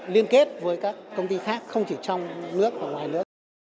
liên kết với các công ty khác không chỉ trong nước và ngoài nước